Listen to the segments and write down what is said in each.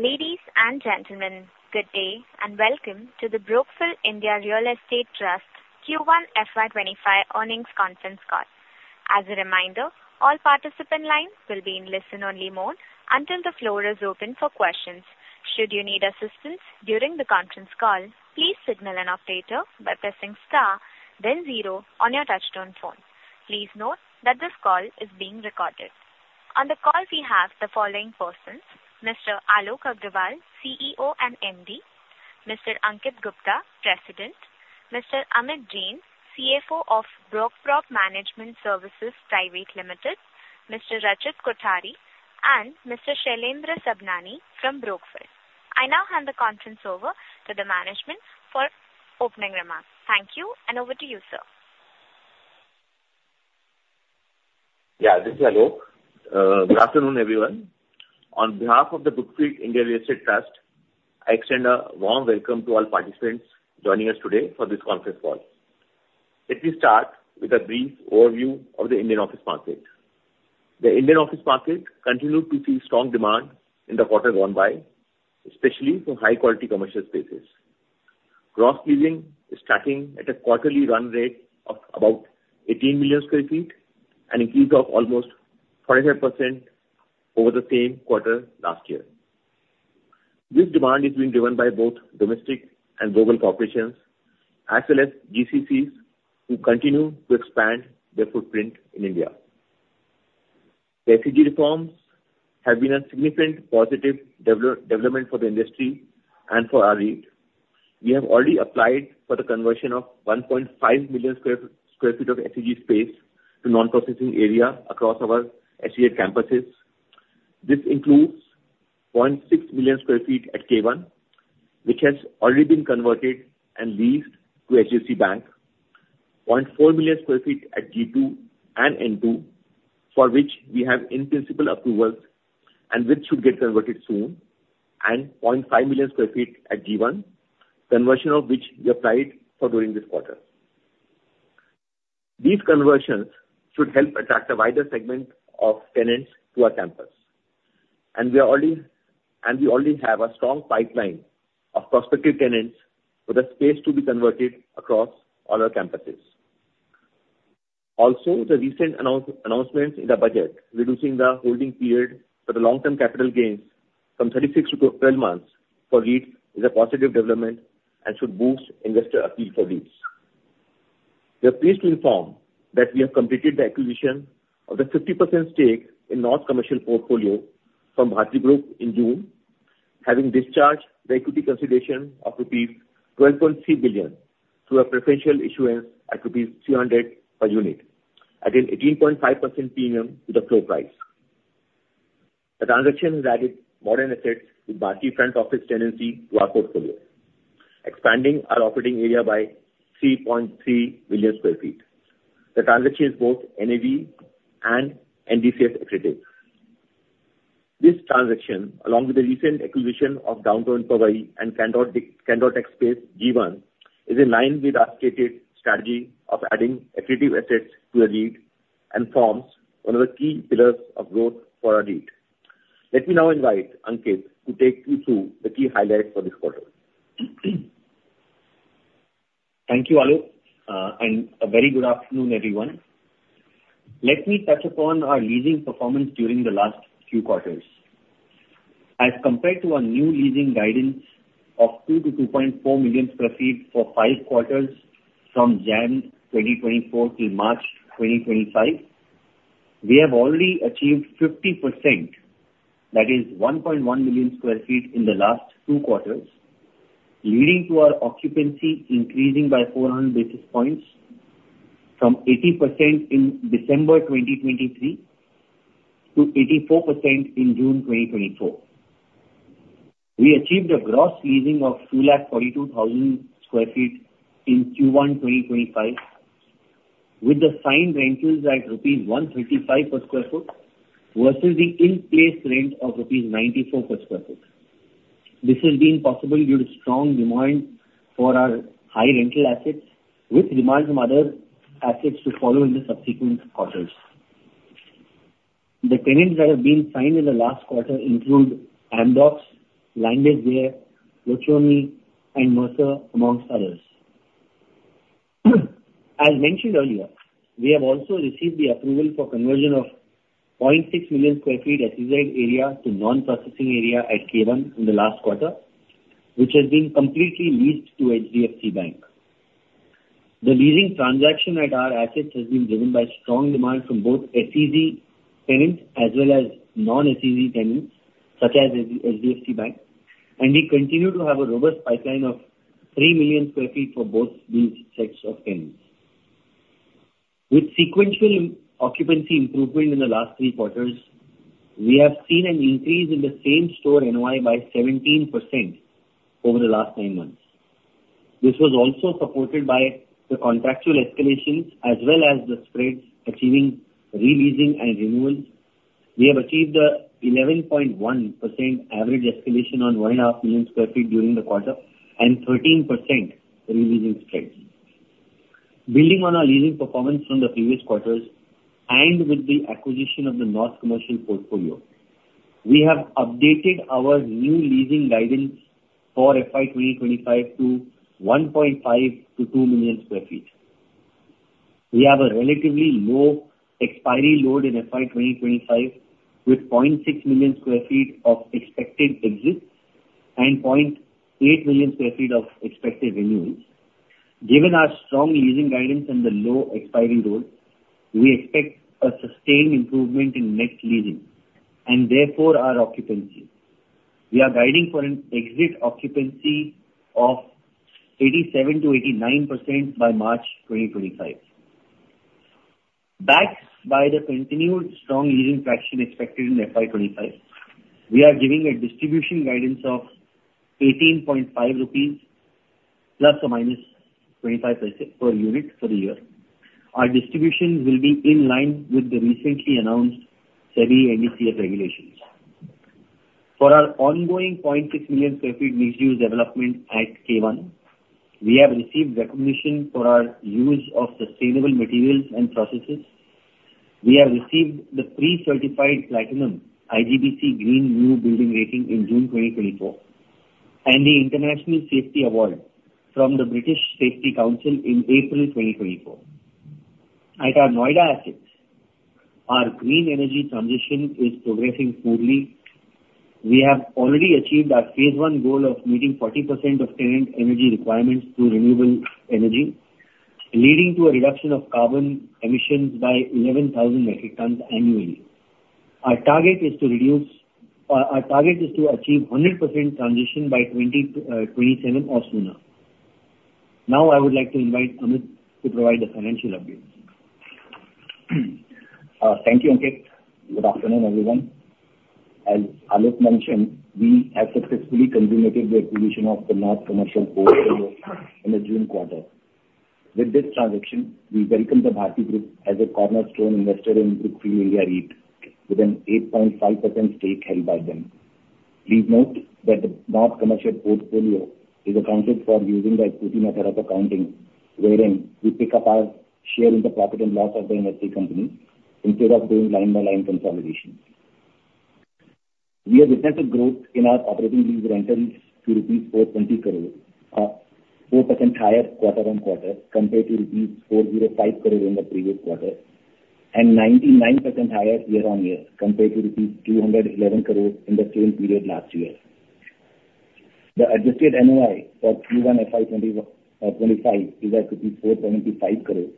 Ladies and gentlemen, good day, and welcome to the Brookfield India Real Estate Trust Q1 FY 2025 earnings conference call. As a reminder, all participant lines will be in listen-only mode until the floor is open for questions. Should you need assistance during the conference call, please signal an operator by pressing star then zero on your touchtone phone. Please note that this call is being recorded. On the call, we have the following persons: Mr. Alok Aggarwal, CEO and MD; Mr. Ankit Gupta, President; Mr. Amit Jain, CFO of Brookprop Management Services Private Limited; Mr. Rachit Kothari, and Mr. Shailendra Sabhnani from Brookfield. I now hand the conference over to the management for opening remarks. Thank you, and over to you, sir. Yeah, this is Alok Aggarwal. Good afternoon, everyone. On behalf of the Brookfield India Real Estate Trust, I extend a warm welcome to all participants joining us today for this conference call. Let me start with a brief overview of the Indian office market. The Indian office market continued to see strong demand in the quarter gone by, especially for high-quality commercial spaces. Gross leasing is tracking at a quarterly run rate of about 18 million sq ft, an increase of almost 48% over the same quarter last year. This demand is being driven by both domestic and global corporations, as well as GCCs, who continue to expand their footprint in India. The SEZ reforms have been a significant positive development for the industry and for our REIT. We have already applied for the conversion of 1.5 million sq ft of SEZ space to non-processing area across our SEZ campuses. This includes 0.6 million sq ft at K1, which has already been converted and leased to HDFC Bank, 0.4 million sq ft at G2 and N2, for which we have in-principle approvals and which should get converted soon, and 0.5 million sq ft at G1, conversion of which we applied for during this quarter. These conversions should help attract a wider segment of tenants to our campus, and we already have a strong pipeline of prospective tenants for the space to be converted across all our campuses. Also, the recent announcements in the budget, reducing the holding period for the long-term capital gains from 36 months-12 months for REIT is a positive development and should boost investor appeal for REITs. We are pleased to inform that we have completed the acquisition of the 50% stake in North Commercial Portfolio from Bharti Group in June, having discharged the equity consideration of rupees 12.3 billion through a preferential issuance at rupees 300 per unit, at an 18.5% premium to the floor price. The transaction has added modern assets with Bharti front office tenancy to our portfolio, expanding our operating area by 3.3 million sq ft. The transaction is both NAV and NDCF accretive. This transaction, along with the recent acquisition of Downtown Powai and Candor TechSpace G1, is in line with our stated strategy of adding accretive assets to the REIT and forms one of the key pillars of growth for our REIT. Let me now invite Ankit Gupta to take you through the key highlights for this quarter. Thank you, Alok Aggarwal, and a very good afternoon, everyone. Let me touch upon our leasing performance during the last few quarters. As compared to our new leasing guidance of 2-2.4 million sq ft for five quarters from January 2024 to March 2025, we have already achieved 50%, that is 1.1 million sq ft, in the last two quarters, leading to our occupancy increasing by 400 basis points from 80% in December 2023 to 84% in June 2024. We achieved a gross leasing of 242,000 sq ft in Q1 2025, with the signed rentals at rupees 135 per sq ft versus the in-place rent of rupees 94 per sq ft. This has been possible due to strong demand for our high rental assets, with demand from other assets to follow in the subsequent quarters. The tenants that have been signed in the last quarter include Amdocs, LanguageLine, Optum, and Mercer, among others. As mentioned earlier, we have also received the approval for conversion of 0.6 million sq ft SEZ area to non-processing area at K1 in the last quarter, which has been completely leased to HDFC Bank. The leasing transaction at our assets has been driven by strong demand from both SEZ tenants as well as non-SEZ tenants, such as HDFC Bank, and we continue to have a robust pipeline of 3 million sq ft for both these sets of tenants. With sequential occupancy improvement in the last three quarters, we have seen an increase in the same store NOI by 17% over the last nine months. This was also supported by the contractual escalations as well as the spreads achieving re-leasing and renewals. We have achieved an 11.1% average escalation on 1.5 million sq ft during the quarter, and 13% re-leasing spreads. Building on our leasing performance from the previous quarters, and with the acquisition of the North Commercial portfolio, we have updated our leasing guidance for FY 2025 to 1.5-2 million sq ft. We have a relatively low expiry load in FY 2025, with 0.6 million sq ft of expected exits and 0.8 million sq ft of expected renewals. Given our strong leasing guidance and the low expiring load, we expect a sustained improvement in net leasing, and therefore our occupancy. We are guiding for an exit occupancy of 87%-89% by March 2025. Backed by the continued strong leasing traction expected in FY 2025, we are giving a distribution guidance of 18.5 rupees ±25% per unit for the year. Our distribution will be in line with the recently announced SEBI NDCF regulations. For our ongoing 0.6 million sq ft mixed-use development at K1, we have received recognition for our use of sustainable materials and processes. We have received the pre-certified platinum IGBC Green New Building Rating in June 2024, and the International Safety Award from the British Safety Council in April 2024. At our Noida assets, our green energy transition is progressing smoothly. We have already achieved our phase I goal of meeting 40% of tenant energy requirements through renewable energy, leading to a reduction of carbon emissions by 11,000 metric tons annually. Our target is to achieve 100% transition by 2027 or sooner. Now, I would like to invite Amit Jain to provide the financial update. Thank you, Ankit Gupta. Good afternoon, everyone. As Ankit Gupta mentioned, we have successfully consummated the acquisition of the North Commercial portfolio in the June quarter. With this transaction, we welcome the Bharti Group as a cornerstone investor in Brookfield India REIT, with an 8.5% stake held by them. Please note that the North Commercial portfolio is accounted for using the equity method of accounting, wherein we pick up our share in the profit and loss of the entity company instead of doing line-by-line consolidation. We have witnessed a growth in our operating lease rentals to rupees 420 crore, 4% higher quarter-on-quarter, compared to rupees 405 crore in the previous quarter, and 99% higher year-on-year, compared to rupees 211 crore in the same period last year. The Adjusted NOI for Q1 FY 2025 is at INR 475 crore,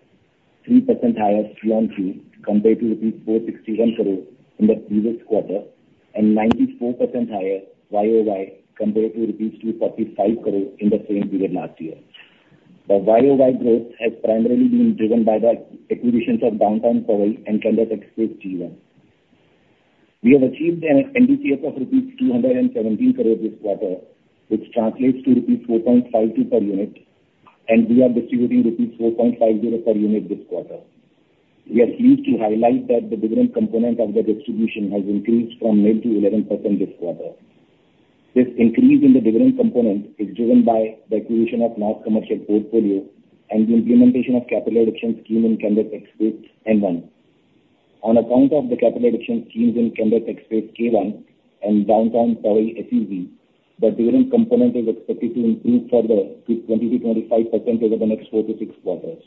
3% higher QoQ, compared to INR 461 crore in the previous quarter, and 94% higher YoY, compared to INR 245 crore in the same period last year. The YoY growth has primarily been driven by the acquisitions of Downtown Powai and Candor TechSpace G1. We have achieved an NDCF of rupees 217 crore this quarter, which translates to rupees 4.52 per unit, and we are distributing rupees 4.50 per unit this quarter. We are pleased to highlight that the dividend component of the distribution has increased from 9% to 11% this quarter. This increase in the dividend component is driven by the acquisition of North Commercial portfolio and the implementation of capital reduction scheme in Candor TechSpace N1. On account of the capital reduction schemes in Candor TechSpace K1 and Downtown Powai, the dividend component is expected to improve further to 20%-25% over the next 4-6 quarters.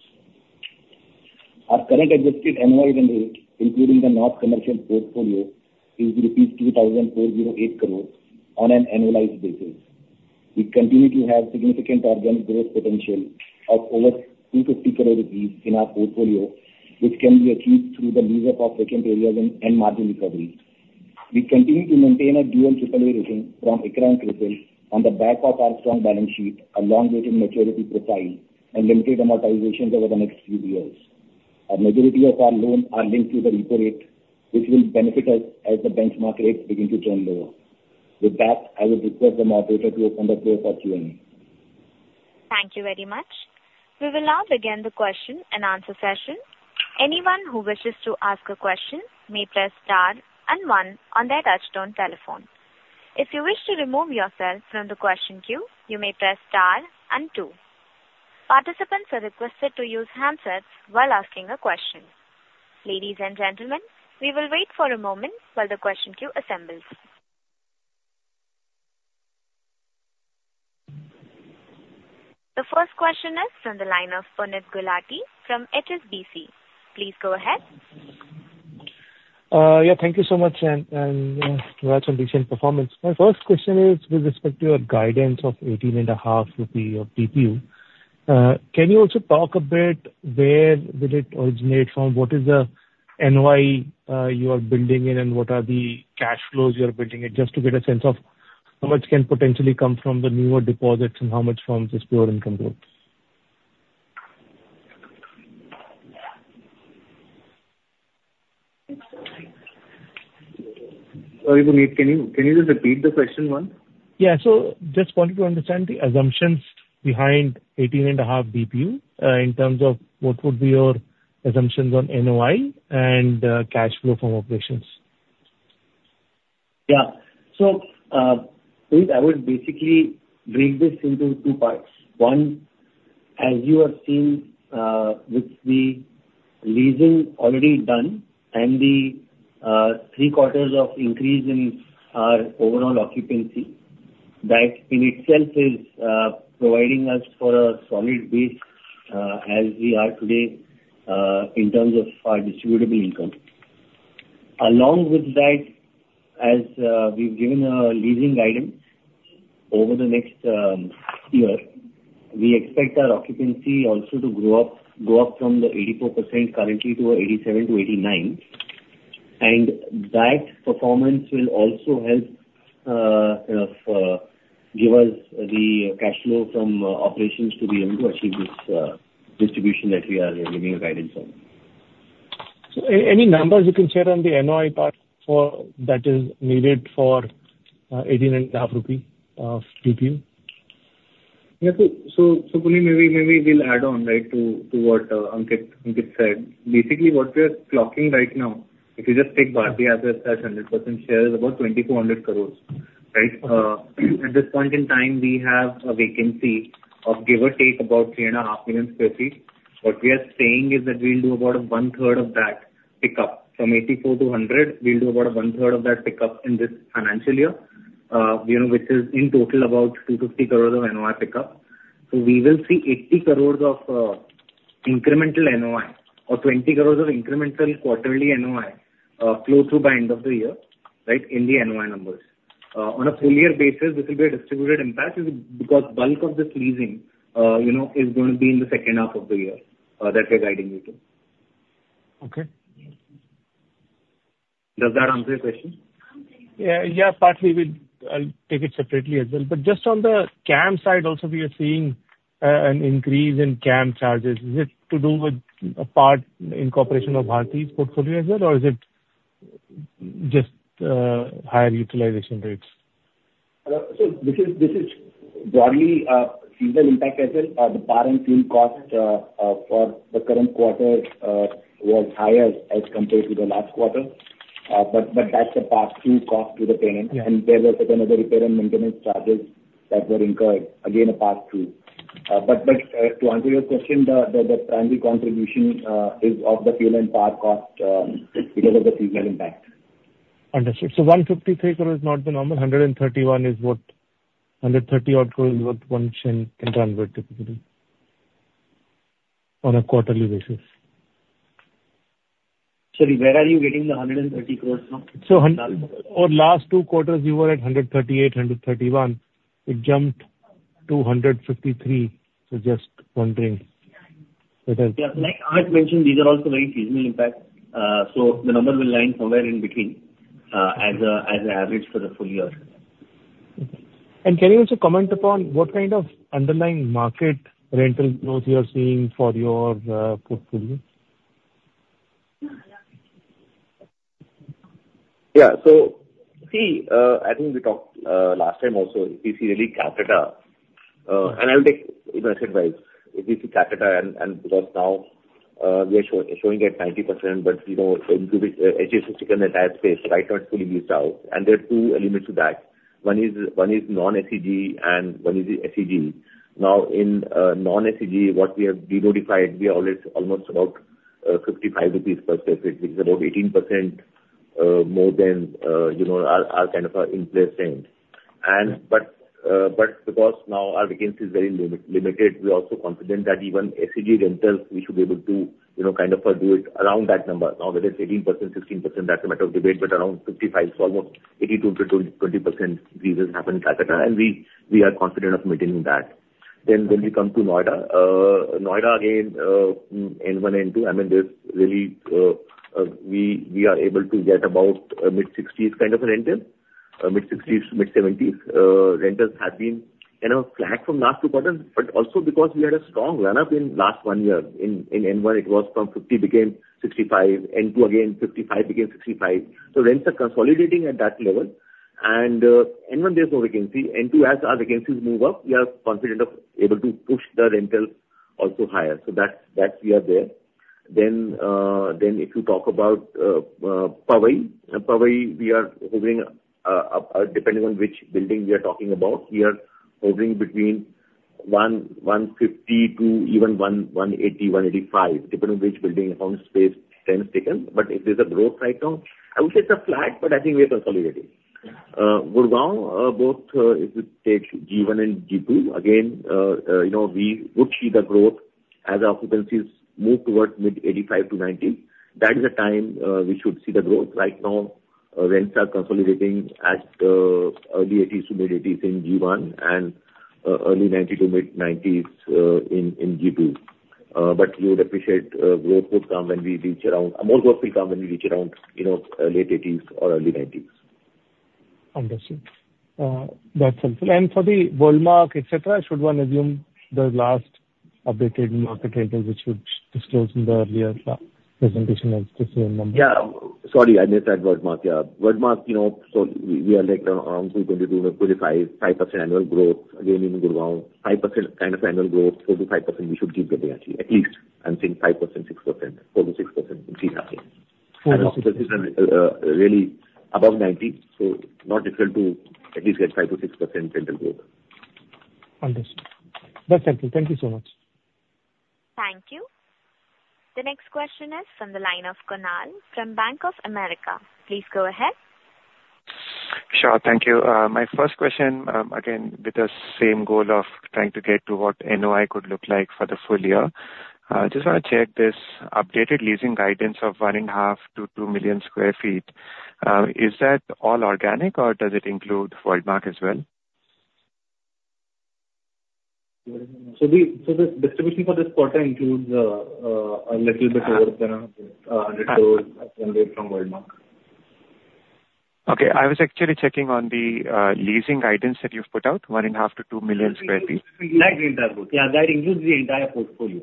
Our current adjusted NOI revenue, including the North Commercial portfolio, is 2,408 crore on an annualized basis. We continue to have significant organic growth potential of over 250 crore rupees in our portfolio, which can be achieved through the lease of vacant areas and margin recovery. We continue to maintain a dual AAA rating from ICRA and CRISIL on the back of our strong balance sheet, a long-dated maturity profile, and limited amortizations over the next few years. A majority of our loans are linked to the repo rate, which will benefit us as the benchmark rates begin to turn lower. With that, I will request the moderator to open the floor for Q&A. Thank you very much. We will now begin the Q&A session. Anyone who wishes to ask a question may press star and one on their touchtone telephone. If you wish to remove yourself from the question queue, you may press star and two. Participants are requested to use handsets while asking a question. Ladies and gentlemen, we will wait for a moment while the question queue assembles. The first question is from the line of Puneet Gulati from HSBC. Please go ahead. Yeah, thank you so much, and, and, congrats on recent performance. My first question is with respect to your guidance of 18.5 rupee of DPU. Can you also talk a bit where did it originate from? What is the NOI you are building in, and what are the cash flows you are building? Just to get a sense of how much can potentially come from the newer deposits and how much from just pure income growth. Sorry, Puneet Gulati can you, can you just repeat the question one? Yeah. So just wanted to understand the assumptions behind 18.5 DPU in terms of what would be your assumptions on NOI and cash flow from operations.... Yeah. So, I would basically break this into two parts. One, as you have seen, with the leasing already done and the three quarters of increase in our overall occupancy, that in itself is providing us for a solid base, as we are today, in terms of our distributable income. Along with that, as we've given a leasing guidance over the next year, we expect our occupancy also to grow up, grow up from the 84% currently to 87%-89%. And that performance will also help give us the cash flow from operations to be able to achieve this distribution that we are giving a guidance on. Any numbers you can share on the NOI part for that is needed for 18.5 rupee DPU? Yeah. So maybe we'll add on, right, to what Ankit Gupta said. Basically, what we are clocking right now, if you just take Bharti as a 100% share, is about 2,400 crores, right? At this point in time, we have a vacancy of give or take, about 3.5 million sq ft. What we are saying is that we'll do about 1/3 of that pickup, from 84% to 100%, we'll do about one third of that pickup in this financial year. You know, which is in total about 250 crores of NOI pickup. So we will see 80 crores of incremental NOI or 20 crores of incremental quarterly NOI flow through by end of the year, right, in the NOI numbers. On a full year basis, this will be a distributed impact because bulk of this leasing, you know, is going to be in the second half of the year, that we're guiding you to. Okay. Does that answer your question? Yeah, yeah, partly. We'll, I'll take it separately as well. But just on the CAM side, also, we are seeing an increase in CAM charges. Is it to do with a part incorporation of Bharti's portfolio as well, or is it just higher utilization rates? So this is broadly seasonal impact as well. The power and fuel cost for the current quarter was higher as compared to the last quarter. But that's a pass-through cost to the tenant. Yeah. There were certain other repair and maintenance charges that were incurred, again, a pass-through. But to answer your question, the primary contribution is of the fuel and power cost, because of the seasonal impact. Understood. So 153 crore is not the number, 1INR 131 crore is what? 130 odd crore is what One can convert typically on a quarterly basis. Sorry, where are you getting the 130 crore from? So over last two quarters, you were at 138 crore, 131 crore. It jumped to 153 crore. So just wondering. Yeah. Like I had mentioned, these are also very seasonal impact. So the number will land somewhere in between, as an average for the full year. Okay. And can you also comment upon what kind of underlying market rental growth you are seeing for your portfolio? Yeah. See, I think we talked last time also, if you see really Capita, and I will take investment advice. If you see Capita, and because now, we are showing at 90%, but, you know, into the SEZ and entire space, right, not fully leased out. There are two elements to that. One is non-SEZ and one is the SEZ. Now in non-SEZ, what we have denotified, we always almost about 55 rupees per sq ft, which is about 18% more than, you know, our kind of in-place rent. Because now our vacancy is very limited, we are also confident that even SEZ rentals, we should be able to, you know, kind of do it around that number. Now, whether it's 18%, 16%, that's a matter of debate, but around 55%, so almost 82%-20% leases happen in Candor, and we are confident of maintaining that. Then when we come to Noida, Noida again, N1, N2, I mean, there's really, we are able to get about, mid-60% kind of an rental. Mid-60%-mid-70%, rentals have been, you know, flat from last two quarters, but also because we had a strong run-up in last one year. In N1, it was from 50% became 65%, N2, again, 55% became 65%. So rents are consolidating at that level. And N1, there's no vacancy. N2, as our vacancies move up, we are confident of able to push the rentals also higher. So that's, that we are there. Then if you talk about Powai. Powai, we are hoping, depending on which building we are talking about, we are hovering between 110-150 to even 180-185, depending on which building, on space tends to take in. But it is a growth right now. I would say it's a flat, but I think we are consolidating. Gurgaon, both, if you take G1 and G2, again, you know, we would see the growth as occupancies move towards mid-85% to 90%. That is the time we should see the growth. Right now, rents are consolidating at early 80%-mid-80% in G1 and early 90%-mid-90% in G2. But you would appreciate, growth would come when we reach around... More growth will come when we reach around, you know, late eighties or early nineties. Understood. That's helpful. And for the Worldmark, et cetera, should one assume the last updated market rental, which you disclosed in the earlier presentation as the same number? Yeah. Sorry, I missed that Worldmark. Yeah. Worldmark, you know, so we, we are like around 2%, 22%, or 25%, 5% annual growth. Again, in Gurgaon, 5% kind of annual growth, 4%-5% we should keep getting actually. At least, I'm thinking 5%, 6%, 4%-6% we see happening. Okay. Really above 90%, so not difficult to at least get 5%-6% rental growth. Understood. That's helpful. Thank you so much. Thank you. The next question is from the line of Kunal Tayal from Bank of America. Please go ahead. Sure. Thank you. My first question, again, with the same goal of trying to get to what NOI could look like for the full year. Just want to check this updated leasing guidance of 1.5-2 million sq ft. Is that all organic or does it include Worldmark as well? The distribution for this quarter includes a little bit more than INR 100 crore generated from Worldmark. Okay. I was actually checking on the leasing guidance that you've put out, 1.5-2 million sq ft. Yeah, that includes the entire portfolio.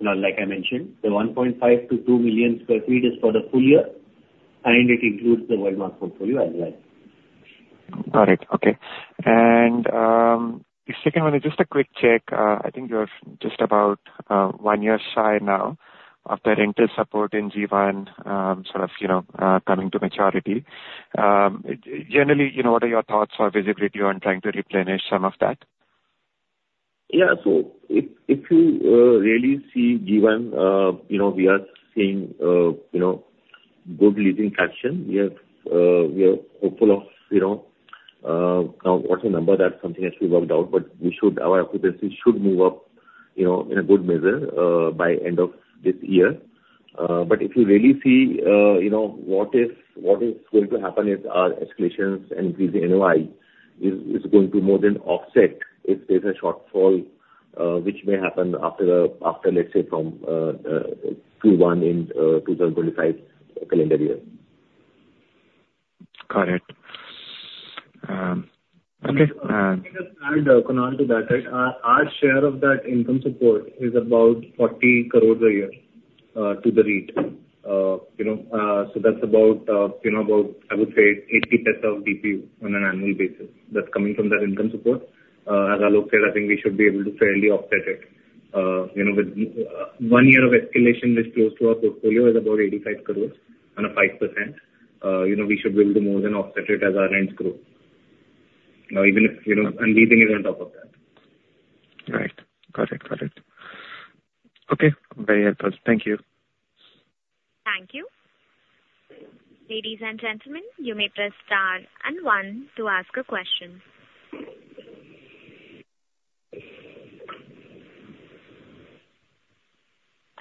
Now, like I mentioned, the 1.5-2 million sq ft is for the full year, and it includes the Worldmark portfolio as well. Got it. Okay. The second one is just a quick check. I think you're just about one year shy now of the rental support in G1, sort of, you know, coming to maturity. Generally, you know, what are your thoughts or visibility on trying to replenish some of that? Yeah. So if, if you really see G1, you know, we are seeing good leasing action. We have, we are hopeful of, you know, now, what's the number? That's something that we worked out, but we should- our occupancy should move up, you know, in a good measure, by end of this year. But if you really see, you know, what is, what is going to happen is our escalations and increasing NOI is going to more than offset if there's a shortfall, which may happen after the, after, let's say, from, Q1 in 2025 calendar year. Got it. Okay, Kunal, to that, right, our share of that income support is about 40 crore a year to the REIT. You know, so that's about, you know, about, I would say 80% of DPU on an annual basis. That's coming from that income support. As Alok Aggarwal said, I think we should be able to fairly offset it. You know, with one year of escalation, which is close to our portfolio, is about 85 crore on a 5%. You know, we should be able to more than offset it as our rents grow. Now, even if, you know, and leasing is on top of that. Right. Got it. Got it. Okay, very helpful. Thank you. Thank you. Ladies and gentlemen, you may press star and one to ask a question.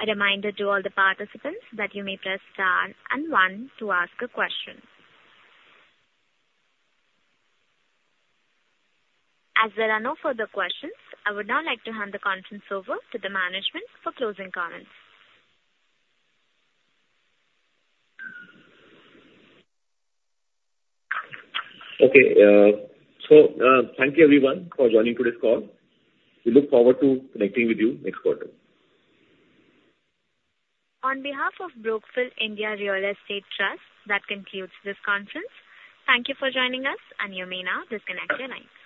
A reminder to all the participants that you may press star and one to ask a question. As there are no further questions, I would now like to hand the conference over to the management for closing comments. Okay, so, thank you everyone for joining today's call. We look forward to connecting with you next quarter. On behalf of Brookfield India Real Estate Trust, that concludes this conference. Thank you for joining us, and you may now disconnect your line.